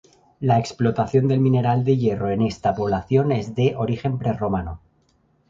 La explotación del mineral de hierro en esta población es de origen prerromano.